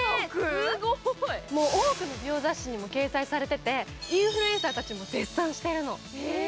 もう多くの美容雑誌にも掲載されていて、インフルエンサーたちも絶賛しているの。